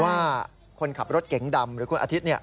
ว่าคนขับรถเก๋งดำหรือคุณอาทิตย์